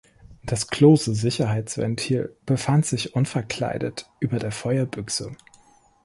Das Klose-Sicherheitsventil befand sich unverkleidet über der Feuerbüchse.